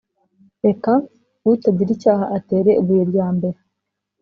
reka utagira icyaha atere ibuye rya mbere